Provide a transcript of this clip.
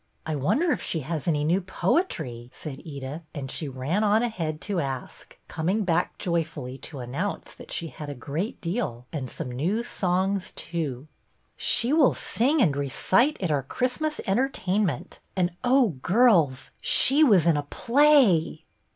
" I wonder if she has any new poetry," said Edith ; and she ran on ahead to ask, coming back joyfully to announce that she had a great deal, and some new songs too. BETTY BAIRD 158 "She will sing and recite at our Christinas entertainment, and, oh, girls, she was in a PLAY